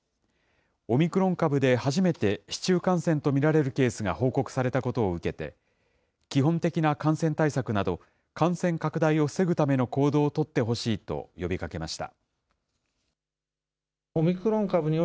オミクロン株で初めて市中感染と見られるケースが報告されたことを受けて、基本的な感染対策など、感染拡大を防ぐための行動を取ってほしいと呼びかけました。